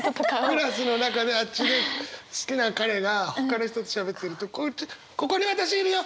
クラスの中であっちで好きな彼がほかの人としゃべってるとここに私いるよ！